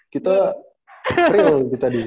kita real kita di